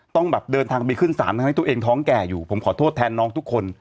ต้องแบบเดินทางไปขึ้นศาลทั้งที่ตัวเองท้องแก่อยู่ผมขอโทษแทนน้องทุกคน